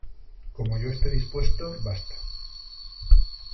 como yo esté dispuesto , basta .